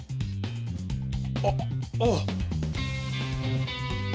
あっああ。